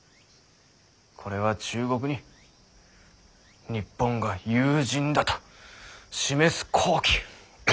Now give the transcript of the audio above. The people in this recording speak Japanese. これは中国に日本が友人だと示す好機。